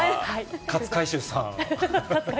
勝海舟さん。